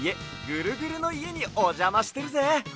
ぐるぐるのいえにおじゃましてるぜ。